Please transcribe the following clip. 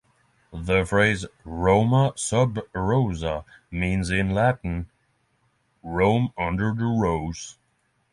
The phrase "Roma Sub Rosa" means, in Latin, "Rome under the rose".